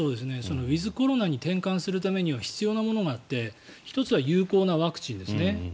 ウィズコロナに転換するためには必要なものがあって１つは有効なワクチンですね。